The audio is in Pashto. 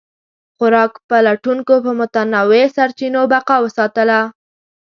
خوراک پلټونکو په متنوع سرچینو بقا وساتله.